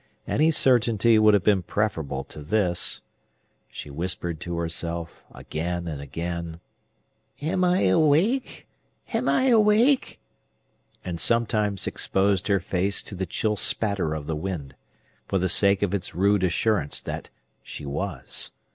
Any certainty would have been preferable to this. She whispered to herself, again and again, "Am I awake?—Am I awake?" and sometimes exposed her face to the chill spatter of the wind, for the sake of its rude assurance that she was.